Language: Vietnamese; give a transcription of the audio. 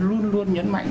luôn luôn nhấn mạnh